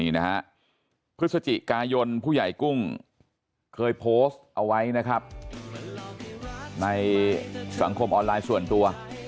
นี่นะฮะพฤศจิกายนผู้ใหญ่กุ้งเคยโพสต์เอาไว้นะครับในสังคมออนไลน์ส่วนตัว